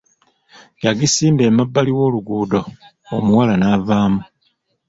Yagisimba emabbali w'oluguudo omuwala n'avaamu.